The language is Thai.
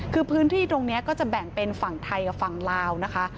คือพื้นที่ตรงนี้ก็จะแบ่งเป็นฝั่งไทยกับฝั่งลาวนะคะ